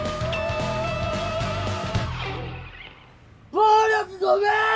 暴力ごめん！